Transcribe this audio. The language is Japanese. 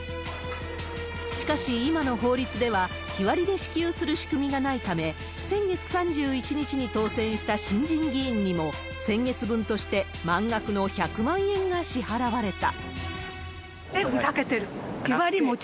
しかし、今の法律では日割りで支給する仕組みがないため、先月３１日に当選した新人議員にも、先月分として満額の１００万円が支払われた。